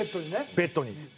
ベッドに。